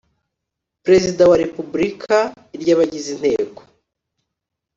Perezida wa Repubulika iry abagize Inteko